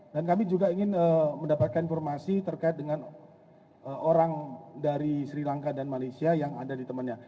dan kami juga ingin mendapatkan informasi terkait dengan orang dari sri lanka dan malaysia yang ada di temannya